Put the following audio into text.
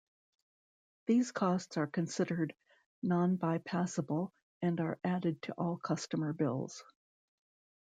These costs are considered nonbypassable and are added to all customer bills.